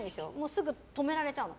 すぐに止められちゃうの。